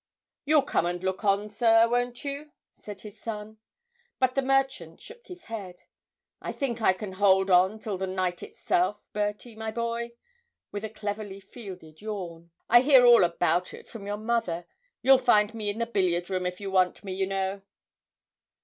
'You'll come and look on, sir, won't you?' said his son. But the merchant shook his head. 'I think I can hold on till the night itself, Bertie, my boy!' with a cleverly fielded yawn. 'I hear all about it from your mother. You'll find me in the billiard room if you want me, you know!'